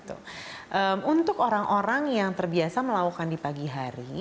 untuk orang orang yang terbiasa melakukan di pagi hari